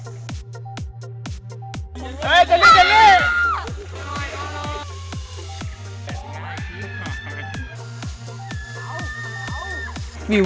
เฮ้เจลลี่เจลลี่